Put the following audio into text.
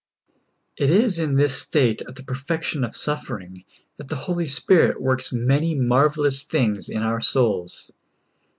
It is in this state of the perfection of suffering that the Holy Spirit works many marv^elous things in our souls.